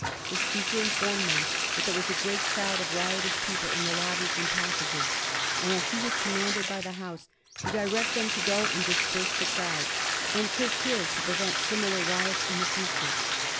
The Speaker informed them that there was a great crowd of riotous people in the lob bies and passages, and that he was commanded by the House to direct them to go and disperse the crowd, and take care to prevent similar riots in the future.